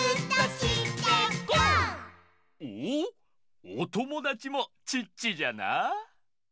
おおおともだちもチッチじゃな。